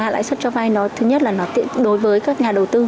lãi suất cho vay nó thứ nhất là đối với các nhà đầu tư